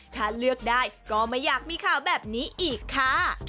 ถ้าเลือกได้ก็ไม่อยากมีข่าวแบบนี้อีกค่ะ